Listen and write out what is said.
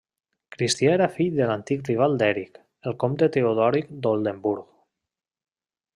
Cristià era fill de l'antic rival d'Eric, el comte Teodoric d'Oldenburg.